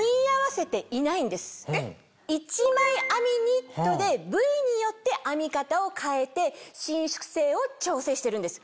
しかも一枚編みニットで部位によって編み方を変えて伸縮性を調整しているんです。